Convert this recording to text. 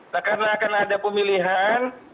nah karena akan ada pemilihan